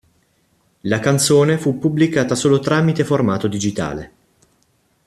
La canzone fu pubblicata solo tramite formato digitale.